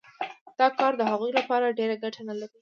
دا کار د هغوی لپاره ډېره ګټه نلري